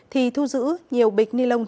thì thu giữ nhiều bịch ni lông